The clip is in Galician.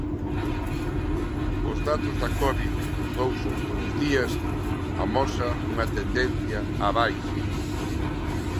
Os datos da covid dos dous últimos días amosa unha tendencia á baixa.